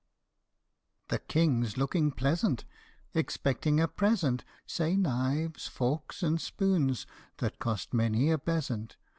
The King 's looking pleasant, Expecting a present Say knives, forks, and spoons that cost many a bezant THE SLEEPING BEAUTY.